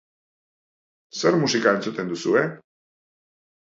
Zer musika entzuten duzue?